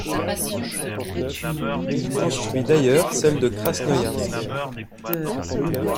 Il construit d'ailleurs celle de Krasnoïarsk.